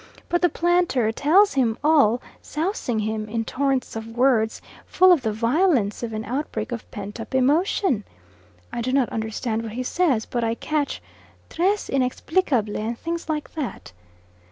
But the planter tells him all, sousing him in torrents of words, full of the violence of an outbreak of pent up emotion. I do not understand what he says, but I catch "tres inexplicable" and things like that.